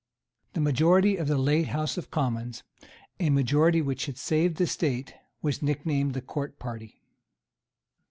The majority of the late House of Commons, a majority which had saved the State, was nicknamed the Court party.